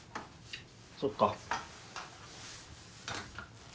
そっか。